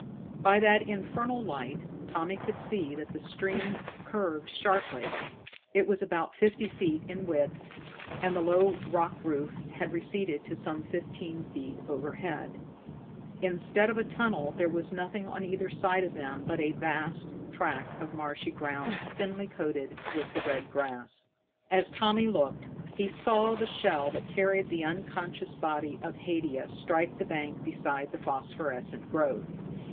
By that infernal light Tommy could see that the stream curved sharply. It was about fifty feet in width, and the low rock roof had receded to some fifteen feet overhead. Instead of a tunnel, there was nothing on either side of them but a vast tract of marshy ground thinly coated with the red grass. As Tommy looked, he saw the shell that carried the unconscious body of Haidia strike the bank beside the phosphorescent growth.